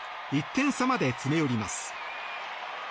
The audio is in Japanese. １点差まで詰め寄ります。